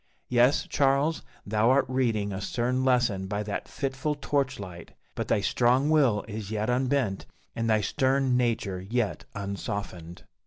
Yes, Charles, thou art reading a stern lesson by that fitful torch light; but thy strong will is yet unbent, and thy stern nature yet unsoftened.